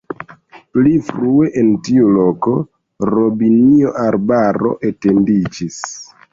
Pli frue en tiu loko robinio-arbaro etendiĝis.